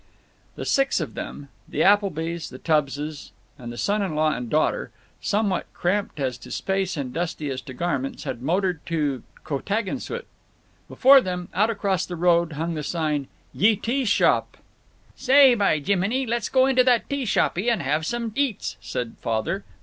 The six of them, the Applebys, the Tubbses, and son in law and daughter, somewhat cramped as to space and dusty as to garments, had motored to Cotagansuit. Before them, out across the road, hung the sign: Ye Tea Shoppe. "Say, by Jiminy! let's go into that Tea Shoppy and have some eats," said Father.